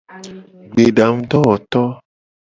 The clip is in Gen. Gbedangudowoto.